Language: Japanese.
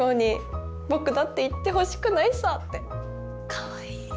かわいい！